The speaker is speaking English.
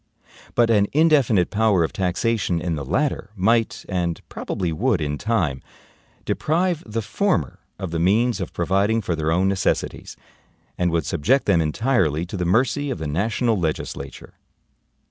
But an indefinite power of taxation in the LATTER might, and probably would in time, deprive the FORMER of the means of providing for their own necessities; and would subject them entirely to the mercy of the national legislature.